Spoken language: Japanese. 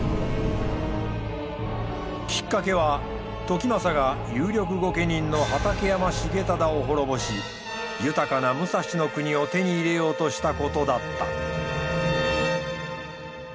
きっかけは時政が有力御家人の畠山重忠を滅ぼし豊かな武蔵国を手に入れようとしたことだった。